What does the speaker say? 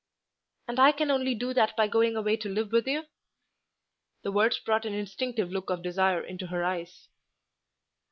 "And I can only do that by going away to live with you?" The words brought an instinctive look of desire into her eyes.